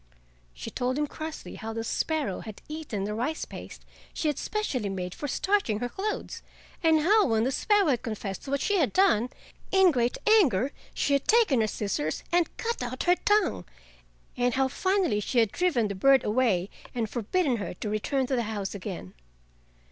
She told him crossly how the sparrow had eaten the rice paste she had specially made for starching her clothes, and how when the sparrow had confessed to what she had done, in great anger she had taken her scissors and cut out her tongue, and how finally she had driven the bird away and forbidden her to return to the house again.